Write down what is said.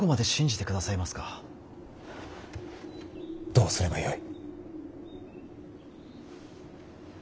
どうすればよい。